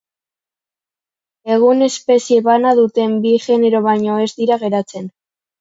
Egun espezie bana duten bi genero baino ez dira geratzen.